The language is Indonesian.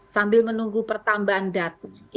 sambil menunggu pertambahan data